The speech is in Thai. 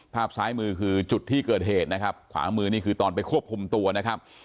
ภาพซ้ายมือคือจุดที่เกิดเหตุนะครับขวามือนี่คือตอนไปควบคุมตัวนะครับ